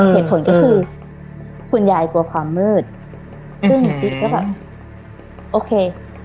เหตุผลก็คือคุณยายกลัวความมืดซึ่งติ๊กก็แบบโอเค